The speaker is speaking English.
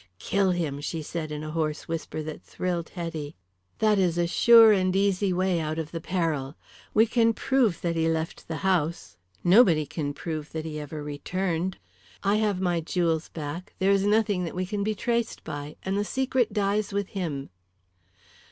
"Kill him," she said in a hoarse whisper that thrilled Hetty. "That is a sure and easy way out of the peril. We can prove that he left the house, nobody can prove that he ever returned. I have my jewels back; there is nothing that we can be traced by. And the secret dies with him."